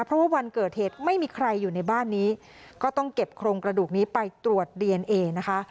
เพราะว่าวันเกิดเหตุไม่มีใครอยู่ในบ้านนี้ก็ต้องเก็บโครงกระดูกนี้ไปตรวจดีเอนเอนะคะ